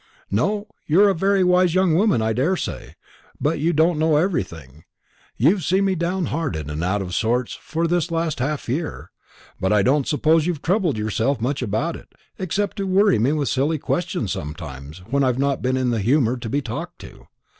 "No; you're a very wise young woman, I daresay; but you don't know everything. You've seen me downhearted and out of sorts for this last half year; but I don't suppose you've troubled yourself much about it, except to worry me with silly questions sometimes, when I've not been in the humour to be talked to.